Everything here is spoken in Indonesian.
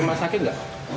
sempat sakit gak